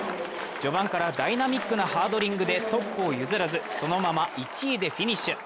序盤からダイナミックなハードリングでトップを譲らず、そのまま１位でフィニッシュ。